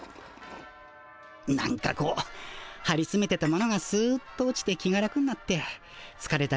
なんかこうはりつめてたものがすっと落ちて気が楽になってつかれた